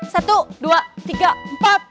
satu dua tiga empat